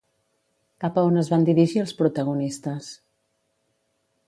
Cap a on es van dirigir els protagonistes?